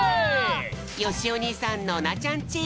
よしお兄さんノナちゃんチーム！